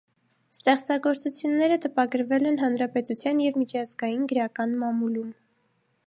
Ստեղծագործությունները տպագրվել են հանրապետության և միջազգային գրական մամուլում։